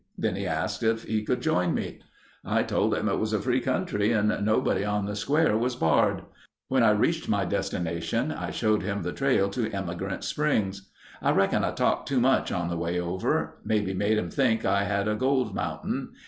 Then he asked if he could join me. "I told him it was free country and nobody on the square was barred. When I reached my destination I showed him the trail to Emigrant Springs. I reckon I talked too much on the way over—maybe made him think I had a gold mountain.